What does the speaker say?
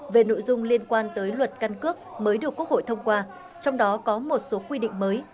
về nội dung liên quan tới luật căn cước mới được quốc hội thông qua trong đó có một số quy định mới